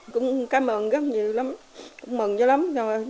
cũng cám ơn rất nhiều lắm mừng cho lắm